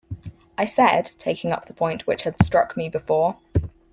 I said, taking up the point which had struck me before.